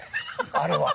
あれは。